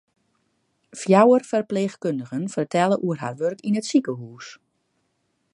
Fjouwer ferpleechkundigen fertelle oer har wurk yn it sikehûs.